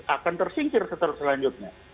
akan tersinggir setelah selanjutnya